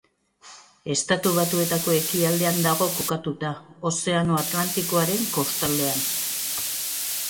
Estatu Batuetako ekialdean dago kokatuta, Ozeano Atlantikoaren kostaldean.